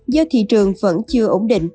do thị trường vẫn chưa ổn định